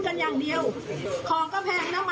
แต่ไม่มีส่วนตังค์อะไรเลยขึ้นสะเบียนก็ไม่ได้